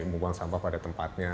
membuang sampah pada tempatnya